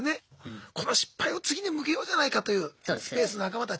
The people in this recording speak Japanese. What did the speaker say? この失敗を次に向けようじゃないかというスペースの仲間たち。